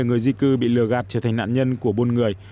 người di cư bị lừa gạt trở thành nạn nhân của buôn người